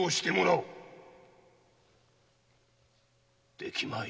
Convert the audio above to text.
できまい。